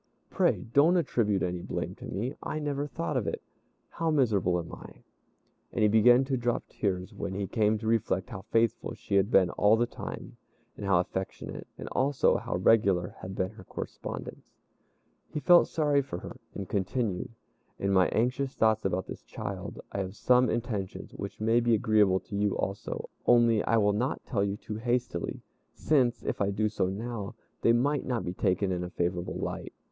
Pray don't attribute any blame to me; I never thought of it. How miserable am I!" And he began to drop tears when he came to reflect how faithful she had been all the time, and how affectionate, and also how regular had been her correspondence. He felt sorry for her, and continued, "In my anxious thoughts about this child, I have some intentions which may be agreeable to you also, only I will not tell you too hastily, since, if I do so now, they might not be taken in a favorable light.